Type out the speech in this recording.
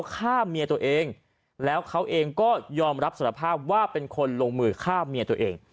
ฆ่าเมียตัวเองแล้วเขาเองก็ยอมรับสารภาพว่าเป็นคนลงมือฆ่าเมียตัวเอง